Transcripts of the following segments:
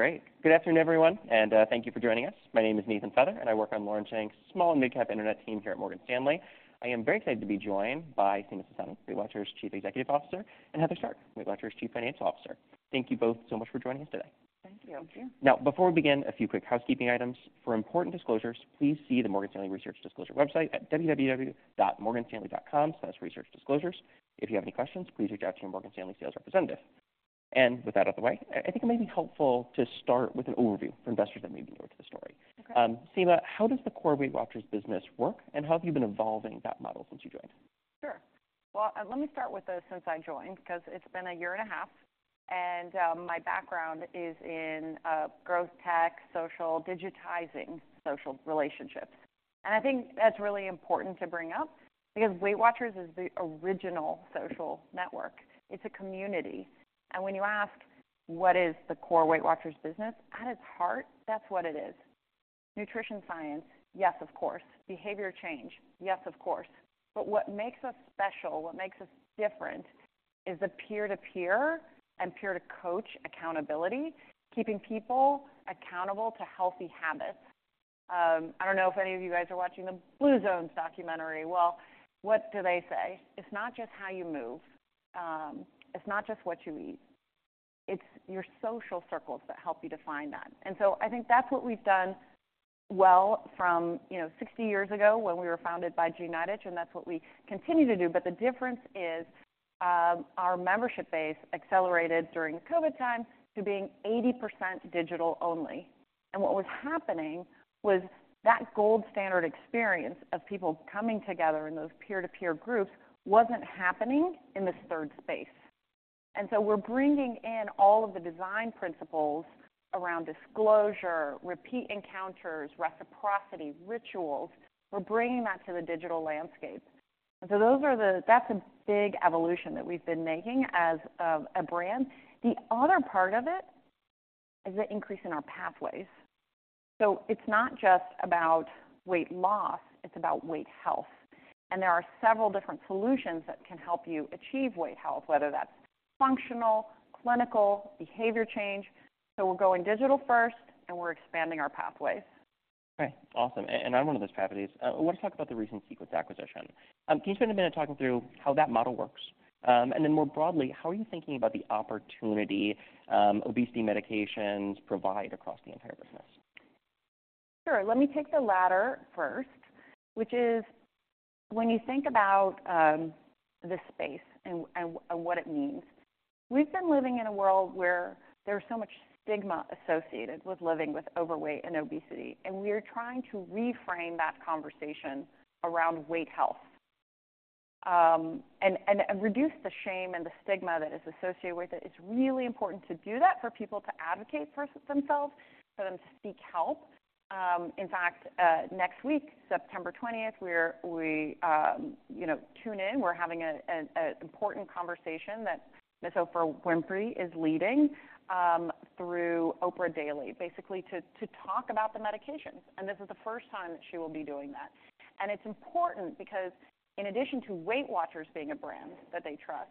Okay, great. Good afternoon, everyone, and thank you for joining us. My name is Nathan Feather, and I work on Lauren Schenk's Small and Midcap Internet team here at Morgan Stanley. I am very excited to be joined by Sima Sistani, WeightWatchers' Chief Executive Officer, and Heather Stark, WeightWatchers' Chief Financial Officer. Thank you both so much for joining us today. Thank you. Thank you. Now, before we begin, a few quick housekeeping items. For important disclosures, please see the Morgan Stanley Research Disclosure website at www.morganstanley.com/researchdisclosures. If you have any questions, please reach out to your Morgan Stanley sales representative. And with that out of the way, I think it may be helpful to start with an overview for investors that may be new to the story. Okay. Sima, how does the core WeightWatchers business work, and how have you been evolving that model since you joined? Sure. Well, let me start with since I joined, because it's been a year and a half, and my background is in growth, tech, social, digitizing social relationships, and I think that's really important to bring up because WeightWatchers is the original social network. It's a community, and when you ask: What is the core WeightWatchers business? At its heart, that's what it is. Nutrition science, yes, of course. Behavior change, yes, of course, but what makes us special, what makes us different is the peer-to-peer and peer-to-coach accountability, keeping people accountable to healthy habits. I don't know if any of you guys are watching the Blue Zones documentary. Well, what do they say? It's not just how you move. It's not just what you eat. It's your social circles that help you define that, and so I think that's what we've done well from, you know, 60 years ago, when we were founded by Jean Nidetch, and that's what we continue to do. The difference is, our membership base accelerated during COVID times to being 80% digital only, and what was happening was that gold standard experience of people coming together in those peer-to-peer groups wasn't happening in this third space. And so we're bringing in all of the design principles around disclosure, repeat encounters, reciprocity, rituals. We're bringing that to the digital landscape, and so those are the... That's a big evolution that we've been making as, a brand. The other part of it is the increase in our pathways. It's not just about weight loss. It's about weight health, and there are several different solutions that can help you achieve weight health, whether that's functional, clinical, behavior change, so we're going digital first, and we're expanding our pathways. Okay, awesome, and I'm one of those pathways. I want to talk about the recent Sequence acquisition. Can you spend a minute talking through how that model works? Then more broadly, how are you thinking about the opportunity obesity medications provide across the entire business? Sure. Let me take the latter first, which is when you think about the space and what it means, we've been living in a world where there's so much stigma associated with living with overweight and obesity, and we are trying to reframe that conversation around weight health and reduce the shame and the stigma that is associated with it. It's really important to do that for people to advocate for themselves, for them to seek help. In fact, next week, September twentieth, we're you know, tune in. We're having an important conversation that Miss Oprah Winfrey is leading through Oprah Daily, basically to talk about the medications, and this is the first time that she will be doing that. It's important because in addition to WeightWatchers being a brand that they trust,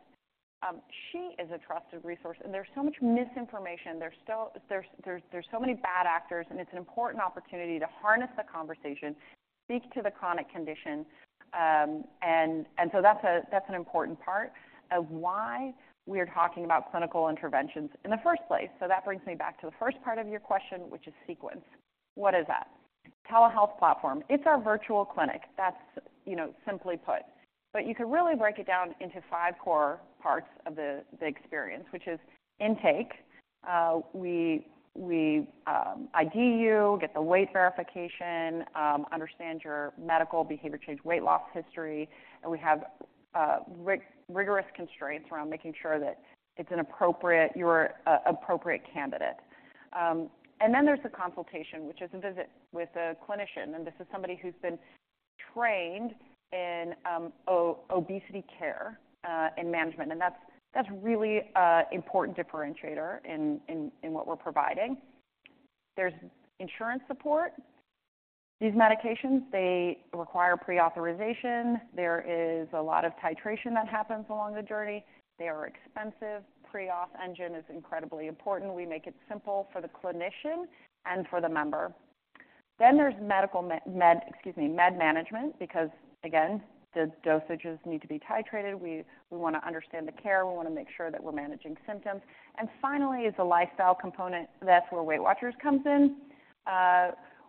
she is a trusted resource, and there's so much misinformation. There's still so many bad actors, and it's an important opportunity to harness the conversation, speak to the chronic condition, and so that's an important part of why we are talking about clinical interventions in the first place. So that brings me back to the first part of your question, which is Sequence. What is that? Telehealth platform. It's our virtual clinic. That's, you know, simply put, but you can really break it down into five core parts of the experience, which is intake. We ID you, get the weight verification, understand your medical behavior change, weight loss history, and we have rigorous constraints around making sure that it's an appropriate, you're an appropriate candidate. Then there's the consultation, which is a visit with a clinician, and this is somebody who's been trained in obesity care and management, and that's a really important differentiator in what we're providing. There's insurance support. These medications, they require pre-authorization. There is a lot of titration that happens along the journey. They are expensive. Pre-auth engine is incredibly important. We make it simple for the clinician and for the member. Then there's medical management because, again, the dosages need to be titrated. We want to understand the care. We want to make sure that we're managing symptoms, and finally, it's a lifestyle component. That's where WeightWatchers comes in,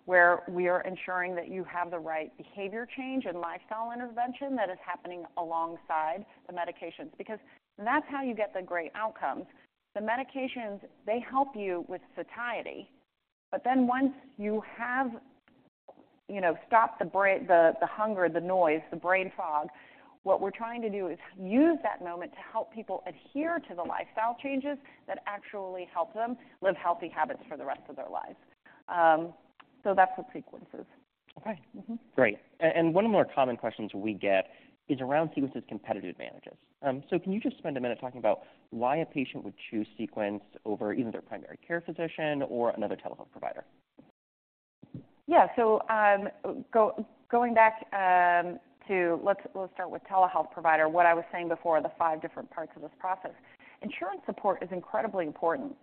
where we are ensuring that you have the right behavior change and lifestyle intervention that is happening alongside the medications because, and that's how you get the great outcomes. The medications, they help you with satiety, but then once you have, you know, stopped the hunger, the noise, the brain fog, what we're trying to do is use that moment to help people adhere to the lifestyle changes that actually help them live healthy habits for the rest of their lives. So that's what Sequence is. Okay. Mm-hmm. Great. One of the more common questions we get is around Sequence's competitive advantages. Can you just spend a minute talking about why a patient would choose Sequence over even their primary care physician or another telehealth provider? Yeah, so, going back to let's start with telehealth provider. What I was saying before, the five different parts of this process. Insurance support is incredibly important.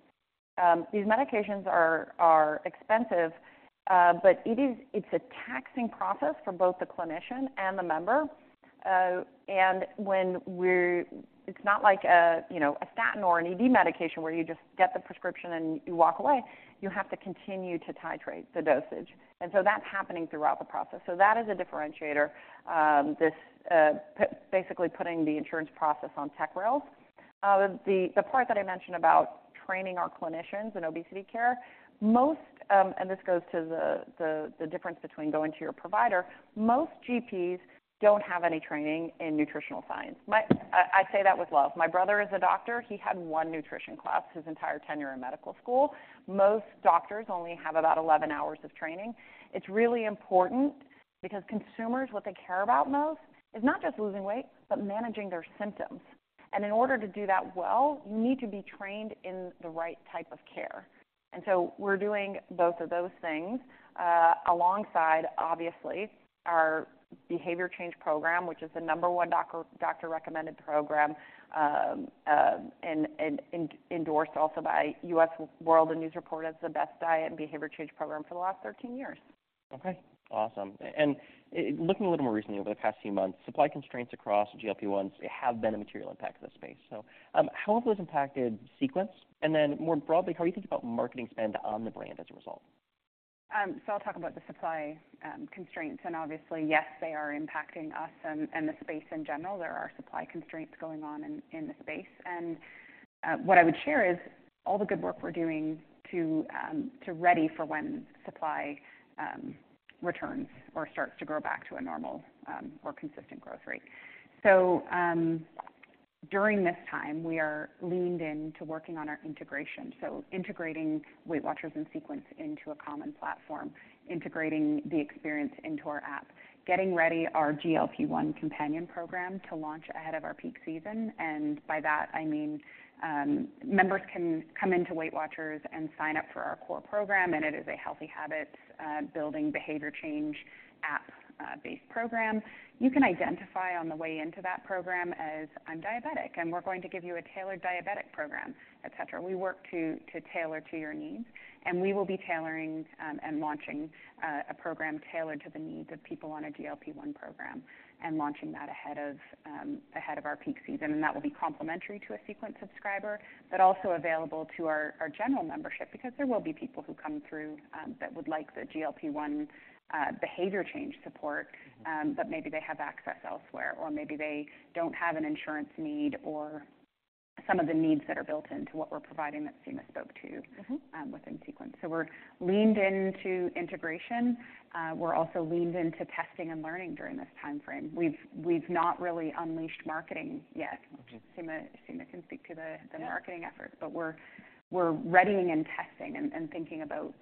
These medications are expensive, but it is a taxing process for both the clinician and the member. It's not like a, you know, a statin or an ED medication, where you just get the prescription and you walk away. You have to continue to titrate the dosage, and so that's happening throughout the process. So that is a differentiator. This basically putting the insurance process on tech rails. The part that I mentioned about training our clinicians in obesity care, most and this goes to the difference between going to your provider, most GPs don't have any training in nutritional science. I say that with love. My brother is a doctor. He had one nutrition class his entire tenure in medical school. Most doctors only have about 11 hours of training. It's really important because consumers, what they care about most is not just losing weight, but managing their symptoms, and in order to do that well, you need to be trained in the right type of care. And so we're doing both of those things, alongside, obviously, our behavior change program, which is the number one doctor-recommended program, and endorsed also by U.S. News & World Report as the best diet and behavior change program for the last 13 years. Okay, awesome. Looking a little more recently, over the past few months, supply constraints across GLP-1s have been a material impact to this space, so, how have those impacted Sequence? Then, more broadly, how are you thinking about marketing spend on the brand as a result? I'll talk about the supply constraints, and obviously, yes, they are impacting us and the space in general. There are supply constraints going on in the space, and what I would share is all the good work we're doing to ready for when supply returns or starts to grow back to a normal or consistent growth rate. During this time, we are leaned into working on our integration, so integrating WeightWatchers and Sequence into a common platform, integrating the experience into our app. Getting ready our GLP-1 companion program to launch ahead of our peak season, and by that I mean, members can come into WeightWatchers and sign up for our core program, and it is a healthy habits building behavior change app based program. You can identify on the way into that program as, "I'm diabetic," and we're going to give you a tailored diabetic program, et cetera. We work to tailor to your needs, and we will be tailoring and launching a program tailored to the needs of people on a GLP-1 program and launching that ahead of our peak season. That will be complementary to a Sequence subscriber, but also available to our general membership, because there will be people who come through that would like the GLP-1 behavior change support, but maybe they have access elsewhere, or maybe they don't have an insurance need or some of the needs that are built into what we're providing, that Sima spoke to within Sequence, so we're leaned into integration. We're also leaned into testing and learning during this timeframe. We've not really unleashed marketing yet. Okay. Sima, Sima can speak to the marketing efforts, but we're, we're readying and testing and, and thinking about,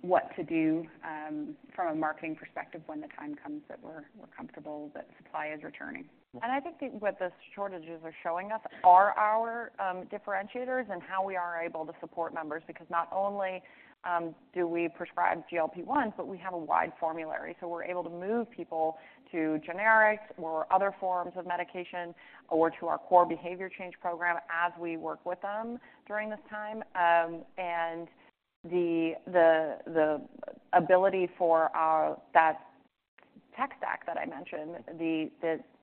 what to do, from a marketing perspective when the time comes that we're, we're comfortable that supply is returning. I think that what the shortages are showing us are our differentiators and how we are able to support members, because not only do we prescribe GLP-1s, but we have a wide formulary, so we're able to move people to generics or other forms of medication or to our core behavior change program as we work with them during this time. The ability for our that tech stack that I mentioned,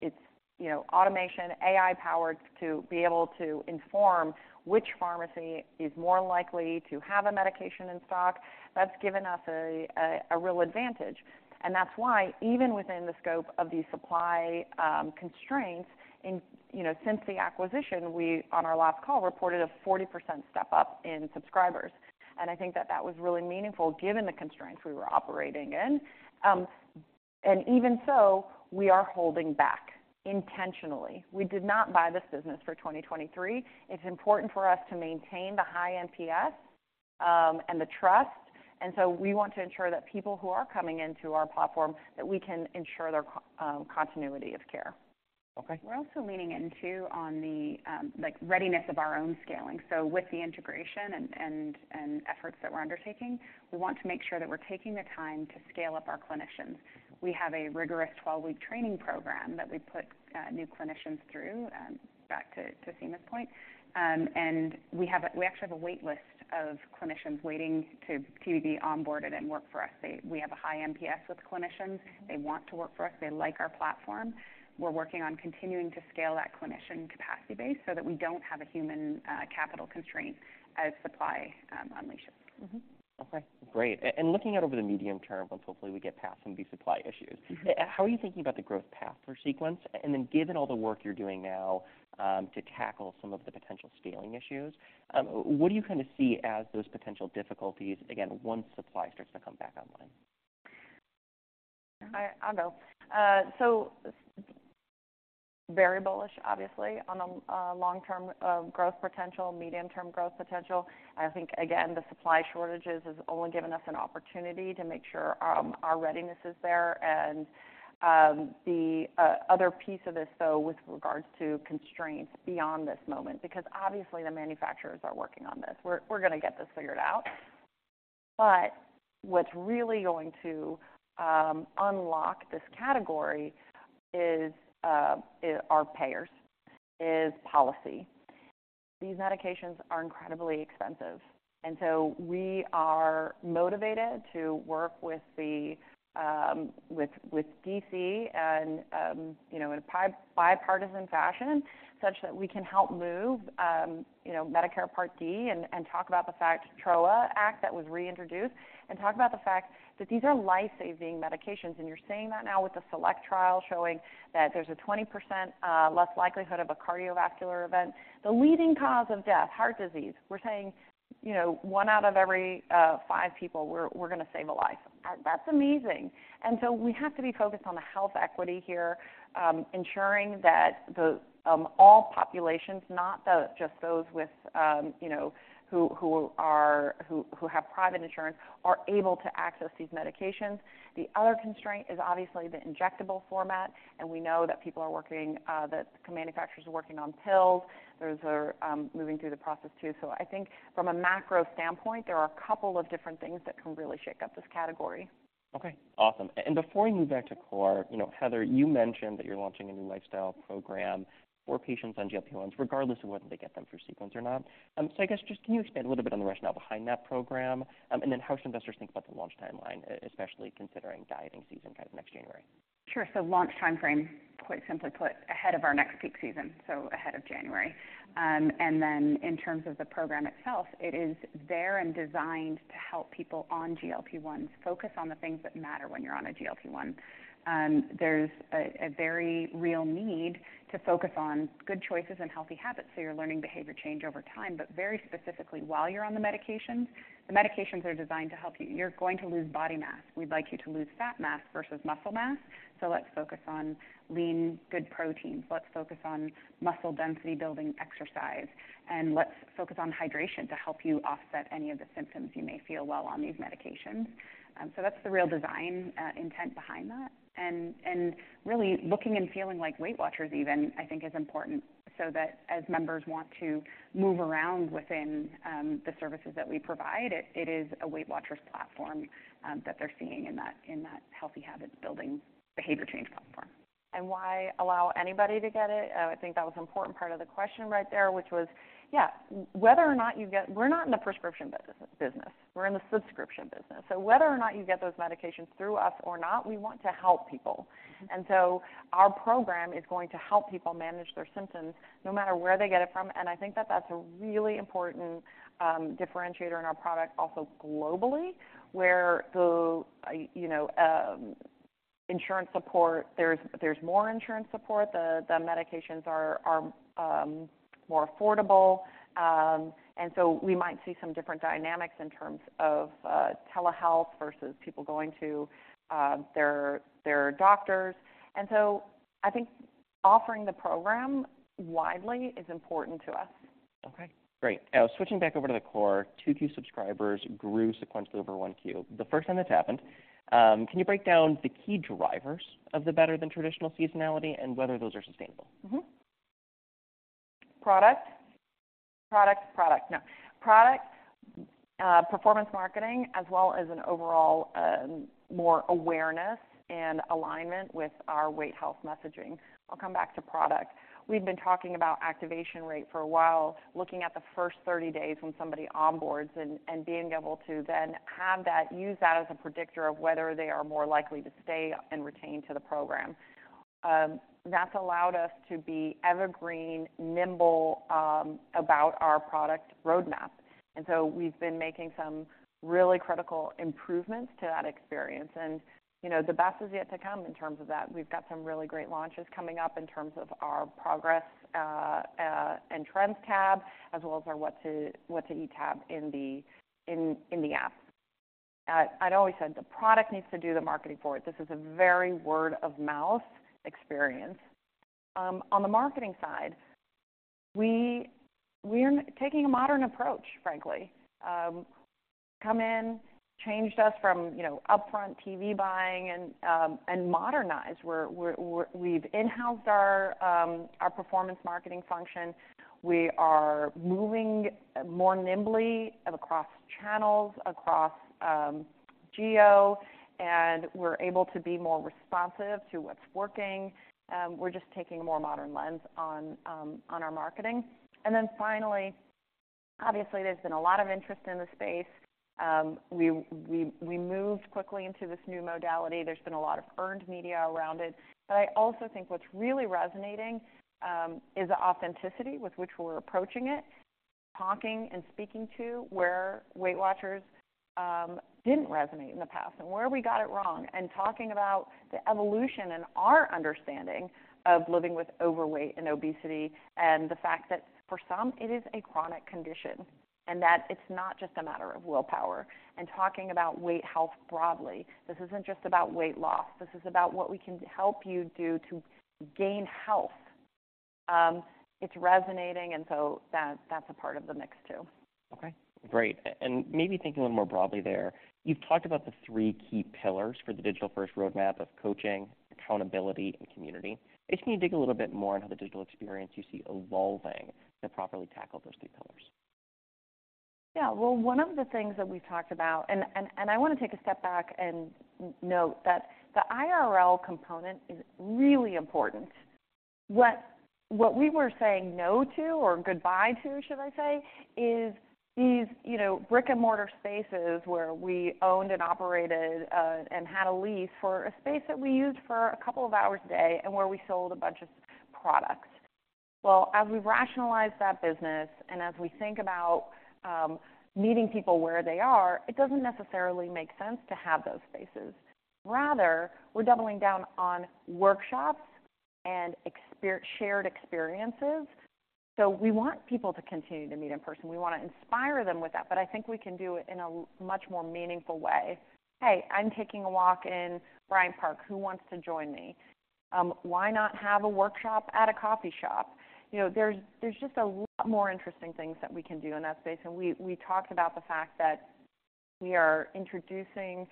it's you know automation, AI-powered, to be able to inform which pharmacy is more likely to have a medication in stock, that's given us a real advantage. And that's why even within the scope of the supply constraints in... You know, since the acquisition, we, on our last call, reported a 40% step-up in subscribers, and I think that that was really meaningful given the constraints we were operating in. Even so, we are holding back intentionally. We did not buy this business for 2023. It's important for us to maintain the high NPS, and the trust, and so we want to ensure that people who are coming into our platform, that we can ensure their continuity of care. Okay. We're also leaning into on the, like, readiness of our own scaling, so with the integration and efforts that we're undertaking, we want to make sure that we're taking the time to scale up our clinicians. We have a rigorous 12-week training program that we put new clinicians through, back to Sima's point. And we actually have a wait list of clinicians waiting to be onboarded and work for us. We have a high NPS with clinicians. They want to work for us. They like our platform. We're working on continuing to scale that clinician capacity base so that we don't have a human capital constraint as supply unleashes. Mm-hmm. Okay, great. Looking out over the medium term, once hopefully we get past some of these supply issues how are you thinking about the growth path for Sequence? Then, given all the work you're doing now, to tackle some of the potential scaling issues, what do you kind of see as those potential difficulties again, once supply starts to come back online? I, I'll go. Very bullish, obviously, on the long-term growth potential, medium-term growth potential. I think, again, the supply shortages has only given us an opportunity to make sure our readiness is there. And the other piece of this, though, with regards to constraints beyond this moment, because obviously the manufacturers are working on this. We're going to get this figured out, but what's really going to unlock this category is our payers, is policy. These medications are incredibly expensive, and so we are motivated to work with D.C. and you know, in a bipartisan fashion, such that we can help move you know, Medicare Part D and talk about the fact TROA Act that was reintroduced, and talk about the fact that these are life-saving medications. You're seeing that now with the SELECT trial showing that there's a 20% less likelihood of a cardiovascular event. The leading cause of death, heart disease. We're saying, you know, one out of every five people, we're going to save a life. That's amazing, and so we have to be focused on the health equity here, ensuring that all populations, not just those with, you know, who have private insurance, are able to access these medications. The other constraint is obviously the injectable format, and we know that manufacturers are working on pills. Those are moving through the process too, so from a macro standpoint, there are a couple of different things that can really shake up this category. Okay, awesome. Before we move back to core, you know, Heather, you mentioned that you're launching a new lifestyle program for patients on GLP-1s, regardless of whether they get them through Sequence or not. Can you expand a little bit on the rationale behind that program, and then how should investors think about the launch timeline, especially considering dieting season kind of next January? Sure. Launch time frame, quite simply put, ahead of our next peak season, so ahead of January. And then in terms of the program itself, it is there and designed to help people on GLP-1s focus on the things that matter when you're on a GLP-1. There's a very real need to focus on good choices and healthy habits, so you're learning behavior change over time. But very specifically, while you're on the medications, the medications are designed to help you. You're going to lose body mass. We'd like you to lose fat mass versus muscle mass, so let's focus on lean, good proteins. Let's focus on muscle density building exercise, and let's focus on hydration to help you offset any of the symptoms you may feel while on these medications. So that's the real design, intent behind that. Really looking and feeling like WeightWatchers even, I think, is important, so that as members want to move around within the services that we provide, it is a WeightWatchers platform that they're seeing in that healthy habit-building behavior change platform. Why allow anybody to get it? I think that was an important part of the question right there, which was, yeah, whether or not you get... We're not in the prescription business, we're in the subscription business, so whether or not you get those medications through us or not, we want to help people. Our program is going to help people manage their symptoms, no matter where they get it from, and I think that that's a really important differentiator in our product also globally, where the you know insurance support, there's more insurance support. The medications are more affordable, and so we might see some different dynamics in terms of telehealth versus people going to their doctors, and so I think offering the program widely is important to us. Okay, great. Now, switching back over to the core, Q2 subscribers grew sequentially over Q1. The first time that's happened. Can you break down the key drivers of the better-than-traditional seasonality and whether those are sustainable? Product, product, product. No. Product, performance marketing, as well as an overall, more awareness and alignment with our weight health messaging. I'll come back to product. We've been talking about activation rate for a while, looking at the first 30 days when somebody onboards and being able to then have that, use that as a predictor of whether they are more likely to stay and retain to the program. That's allowed us to be evergreen, nimble, about our product roadmap, and so we've been making some really critical improvements to that experience, and the best is yet to come in terms of that. We've got some really great launches coming up in terms of our progress and trends tab, as well as our what to eat tab in the app. I'd always said the product needs to do the marketing for it. This is a very word-of-mouth experience. On the marketing side, we're taking a modern approach, frankly. We came in, changed us from, you know, upfront TV buying and modernize. We've in-housed our performance marketing function. We are moving more nimbly across channels, across geo, and we're able to be more responsive to what's working. We're just taking a more modern lens on our marketing. And then finally, obviously, there's been a lot of interest in the space. We moved quickly into this new modality. There's been a lot of earned media around it. I also think what's really resonating is the authenticity with which we're approaching it, talking and speaking to where WeightWatchers didn't resonate in the past and where we got it wrong, and talking about the evolution in our understanding of living with overweight and obesity, and the fact that for some, it is a chronic condition, and that it's not just a matter of willpower, and talking about weight health broadly. This isn't just about weight loss. This is about what we can help you do to gain health. It's resonating, and so that's a part of the mix, too. Okay, great. Maybe thinking a little more broadly there, you've talked about the three key pillars for the digital-first roadmap of coaching, accountability, and community. Can you dig a little bit more into the digital experience you see evolving to properly tackle those three pillars? Yeah. Well, one of the things that we've talked about and I wanna take a step back and note that the IRL component is really important. What we were saying no to or goodbye to, should I say, is these, you know, brick-and-mortar spaces where we owned and operated and had a lease for a space that we used for a couple of hours a day and where we sold a bunch of products. Well, as we've rationalized that business and as we think about meeting people where they are, it doesn't necessarily make sense to have those spaces. Rather, we're doubling down on workshops and shared experiences. So we want people to continue to meet in person. We wanna inspire them with that, but I think we can do it in a much more meaningful way. Hey, I'm taking a walk in Bryant Park. Who wants to join me?" Why not have a workshop at a coffee shop? There's just a lot more interesting things that we can do in that space, and we talked about the fact that we are introducing...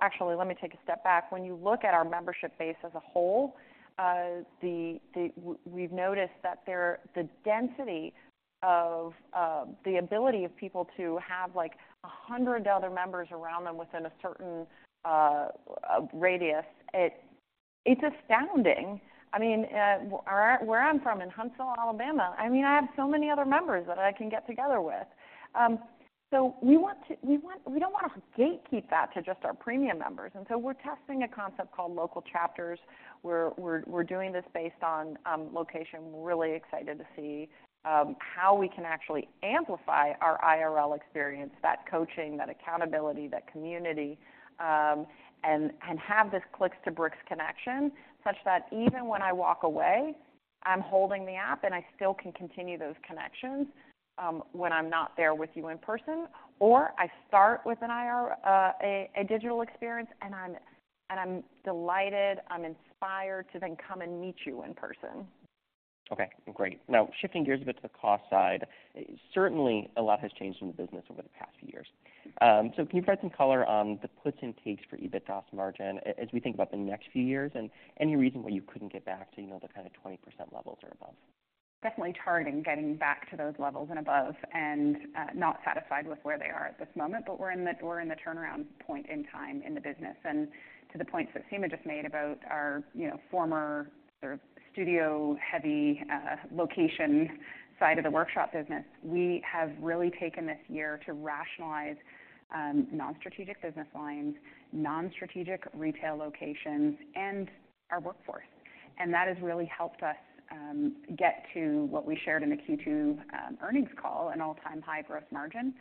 Actually, let me take a step back. When you look at our membership base as a whole, we've noticed that the density of the ability of people to have, like, 100 other members around them within a certain radius, it's astounding. I mean, where I'm from, in Huntsville, Alabama, I mean, I have so many other members that I can get together with. We don't wanna gatekeep that to just our premium members, and so we're testing a concept called local chapters, where we're doing this based on location. We're really excited to see how we can actually amplify our IRL experience, that coaching, that accountability, that community, and have this clicks-to-bricks connection, such that even when I walk away, I'm holding the app, and I still can continue those connections, when I'm not there with you in person, or I start with a digital experience, and I'm delighted, I'm inspired to then come and meet you in person. Okay, great. Now, shifting gears a bit to the cost side, certainly, a lot has changed in the business over the past few years. Can you provide some color on the puts and takes for EBITDA's margin as we think about the next few years, and any reason why you couldn't get back to, you know, the kind of 20% levels or above? Definitely targeting getting back to those levels and above, and not satisfied with where they are at this moment, but we're in the turnaround point in time in the business. To the point that Sima just made about our former sort of studio-heavy location side of the workshop business, we have really taken this year to rationalize non-strategic business lines, non-strategic retail locations, and our workforce, and that has really helped us get to what we shared in the Q2 earnings call, an all-time high growth margin.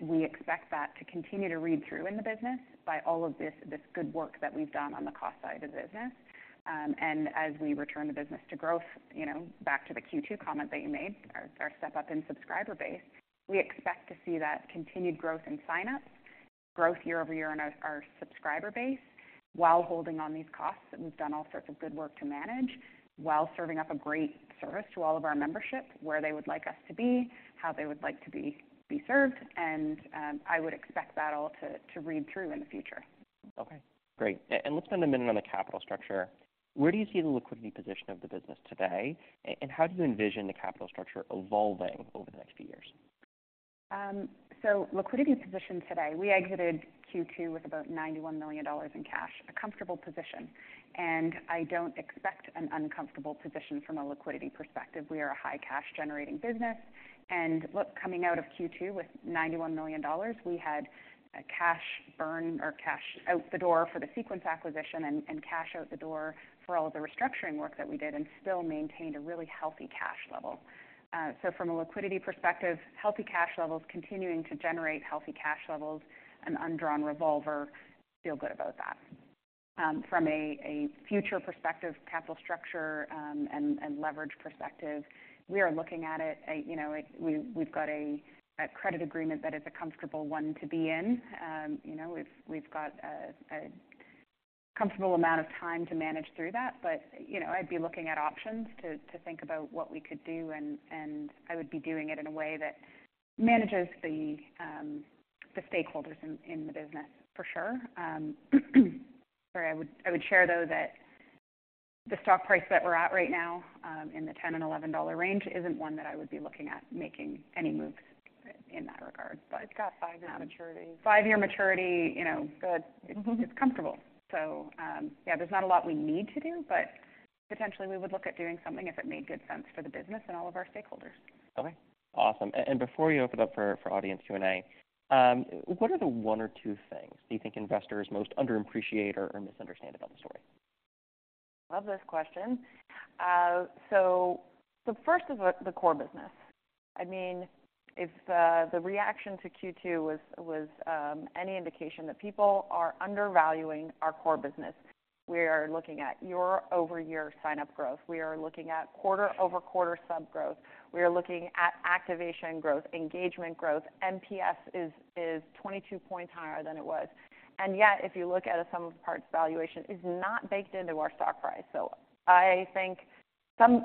We expect that to continue to read through in the business by all of this good work that we've done on the cost side of the business. As we return the business to growth, you know, back to the Q2 comment that you made, our step up in subscriber base, we expect to see that continued growth in signups, growth year over year in our subscriber base, while holding on these costs that we've done all sorts of good work to manage, while serving up a great service to all of our membership, where they would like us to be, how they would like to be served, and I would expect that all to read through in the future. Okay, great. Let's spend a minute on the capital structure. Where do you see the liquidity position of the business today, and how do you envision the capital structure evolving over the next few years? Liquidity position today, we exited Q2 with about $91 million in cash, a comfortable position, and I don't expect an uncomfortable position from a liquidity perspective. We are a high cash-generating business, and look, coming out of Q2 with $91 million, we had a cash burn or cash out the door for the Sequence acquisition and, and cash out the door for all of the restructuring work that we did, and still maintained a really healthy cash level. From a liquidity perspective, healthy cash levels, continuing to generate healthy cash levels, an undrawn revolver, feel good about that. From a future perspective, capital structure, and leverage perspective, we are looking at it, you know. We've got a credit agreement that is a comfortable one to be in. You know, we've got a comfortable amount of time to manage through that, but, you know, I'd be looking at options to think about what we could do, and I would be doing it in a way that manages the stakeholders in the business, for sure. Sorry, I would share, though, that the stock price that we're at right now, in the $10-$11 range, isn't one that I would be looking at making any moves in that regard, but- It's got 5-year maturity. 5-year maturity, you know, good. Mm-hmm. It's comfortable. Yeah, there's not a lot we need to do, but potentially, we would look at doing something if it made good sense for the business and all of our stakeholders. Okay, awesome. Before we open up for audience Q&A, what are the one or two things you think investors most underappreciate or misunderstand about the story? Love this question. First of all, the core business. I mean, if the reaction to Q2 was any indication that people are undervaluing our core business, we are looking at year-over-year sign-up growth. We are looking at quarter-over-quarter sub growth. We are looking at activation growth, engagement growth. NPS is 22 points higher than it was, and yet, if you look at a sum of the parts, valuation is not baked into our stock price, so I think some,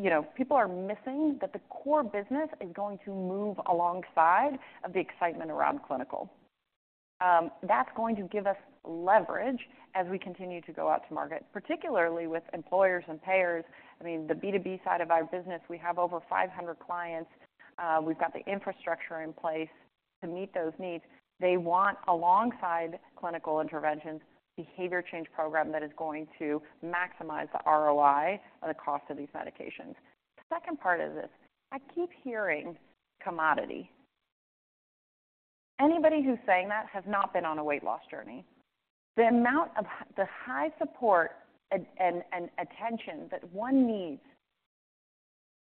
you know, people are missing that the core business is going to move alongside of the excitement around clinical. That's going to give us leverage as we continue to go out to market, particularly with employers and payers. I mean, the B2B side of our business, we have over 500 clients. We've got the infrastructure in place to meet those needs. They want, alongside clinical interventions, behavior change program that is going to maximize the ROI of the cost of these medications. The second part of this, I keep hearing commodity. Anybody who's saying that has not been on a weight loss journey. The amount of the high support and attention that one needs,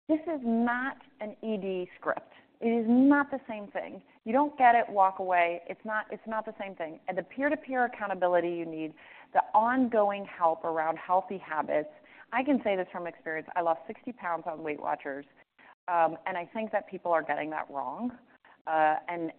this is not an ED script. It is not the same thing. You don't get it, walk away. It's not the same thing, and the peer-to-peer accountability you need, the ongoing help around healthy habits. I can say this from experience: I lost 60 pounds on WeightWatchers, and I think that people are getting that wrong. And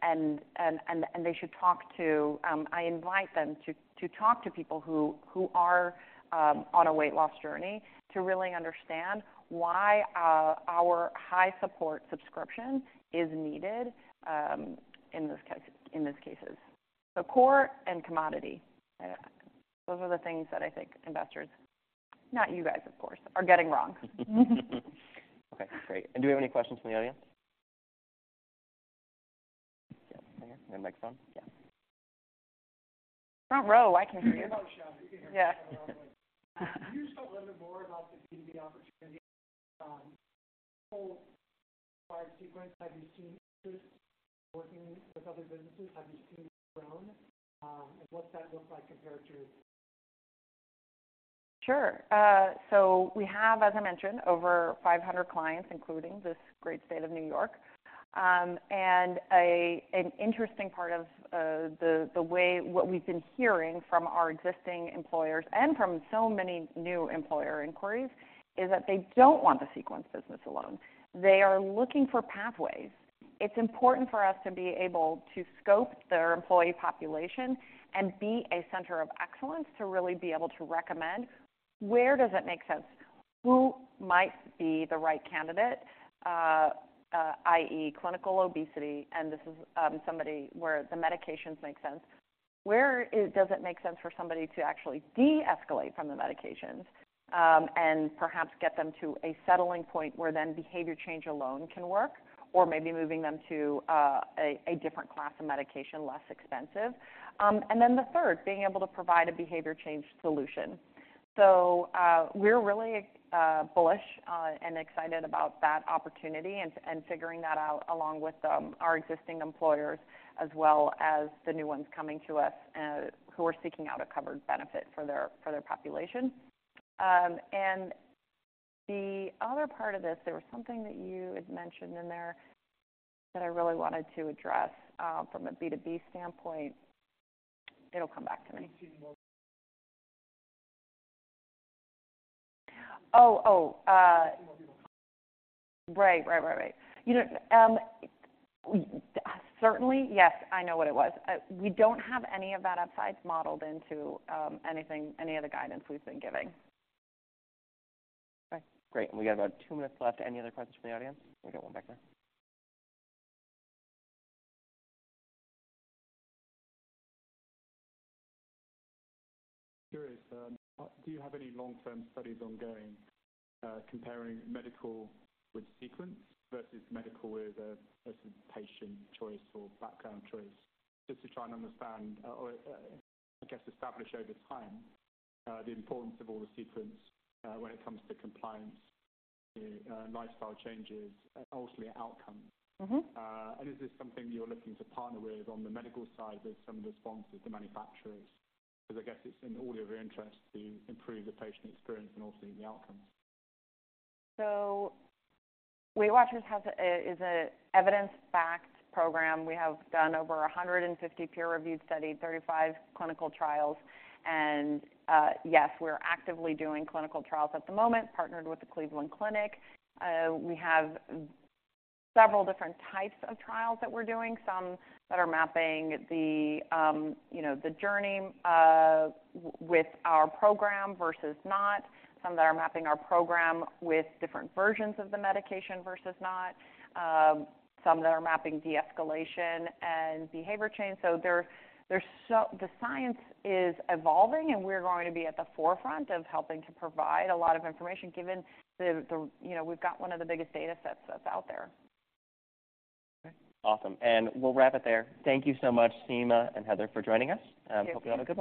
they should talk to... I invite them to talk to people who are on a weight loss journey to really understand why our high support subscription is needed in those cases, so core and commodity, those are the things that I think investors, not you guys, of course, are getting wrong. Okay, great. And do we have any questions from the audience? Yeah, right here. Your mic's on? Yeah. Front row, I can hear you. I'm out shouting. Yeah. Can you just talk a little bit more about the B2B opportunity, post-acquisition of sequence? Have you seen working with other businesses, have you seen grown, and what's that look like compared to...? Sure. We have, as I mentioned, over 500 clients, including this great state of New York. And an interesting part of the way what we've been hearing from our existing employers and from so many new employer inquiries is that they don't want the Sequence business alone. They are looking for pathways. It's important for us to be able to scope their employee population and be a center of excellence, to really be able to recommend where does it make sense? Who might be the right candidate, i.e., clinical obesity, and this is somebody where the medications make sense. Where it doesn't make sense for somebody to actually de-escalate from the medications, and perhaps get them to a settling point where then behavior change alone can work, or maybe moving them to a different class of medication, less expensive. Then the third, being able to provide a behavior change solution, so we're really bullish and excited about that opportunity and figuring that out along with our existing employers as well as the new ones coming to us, who are seeking out a covered benefit for their population. The other part of this, there was something that you had mentioned in there that I really wanted to address from a B2B standpoint. It'll come back to me. Continue Right. Right, right, right. You know, certainly, yes, I know what it was. We don't have any of that upside modeled into, anything, any of the guidance we've been giving. Okay, great. We got about two minutes left. Any other questions from the audience? We got one back there. Curious, do you have any long-term studies ongoing, comparing medical with Sequence versus medical with patient choice or background choice? Just to try and understand, or, I guess, establish over time, the importance of all the Sequence, when it comes to compliance, lifestyle changes, ultimately outcomes. Mm-hmm. Is this something you're looking to partner with on the medical side, with some of the sponsors, the manufacturers? Because I guess it's in all of your interests to improve the patient experience and ultimately the outcomes. WeightWatchers is a evidence-backed program. We have done over 150 peer-reviewed studies, 35 clinical trials, and yes, we're actively doing clinical trials at the moment, partnered with the Cleveland Clinic. We have several different types of trials that we're doing, some that are mapping the you know, the journey with our program versus not, some that are mapping our program with different versions of the medication versus not, some that are mapping de-escalation and behavior change. The science is evolving, and we're going to be at the forefront of helping to provide a lot of information, given the you know, we've got one of the biggest data sets that's out there. Okay, awesome. And we'll wrap it there. Thank you so much, Sima and Heather, for joining us. Thank you. Hope you have a great-